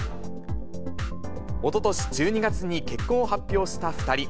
おととし１２月に結婚を発表した２人。